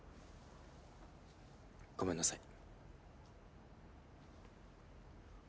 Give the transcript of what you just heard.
ごめんなさい。